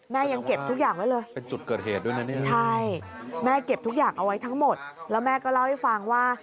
แม่ยังเก็บทุกอย่างไว้เลยใช่แม่เก็บทุกอย่างเอาไว้ทั้งหมดแล้วแม่ก็เล่าให้ฟังว่า